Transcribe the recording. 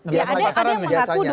biasanya ada yang mengaku dua ratus ribu